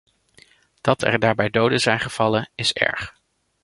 Dat er daarbij doden zijn gevallen, is erg.